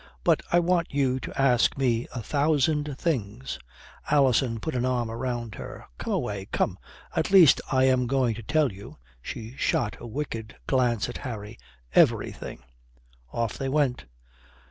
"But I want you to ask me a thousand things." Alison put an arm round her, "Come away, come. At least I am going to tell you" she shot a wicked glance at Harry "everything." Off they went.